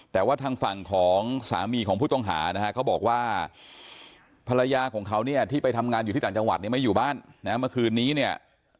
แต่ว่าทางฝั่งของสามีของผู้ต้องหานะฮะเขาบอกว่าภรรยาของเขาเนี่ยที่ไปทำงานอยู่ที่ต่างจังหวัดเนี่ยไม่อยู่บ้านนะเมื่อคืนนี้เนี่ย